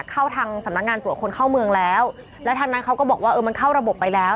เข้าทางสำนักงานตรวจคนเข้าเมืองแล้วแล้วทางนั้นเขาก็บอกว่าเออมันเข้าระบบไปแล้ว